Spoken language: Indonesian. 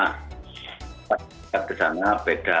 kita berdua kesana beda